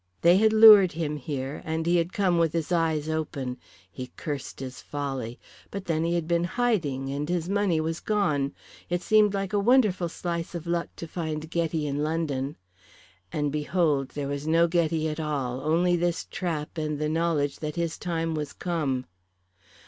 They had lured him there, and he had come with his eyes open. He cursed his folly. But then he had been hiding, and his money was gone. It seemed like a wonderful slice of luck to find Ghetti in London. And behold there was no Ghetti at all, only this trap and the knowledge that his time was come.